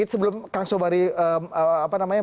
sebelum kang sobari apa namanya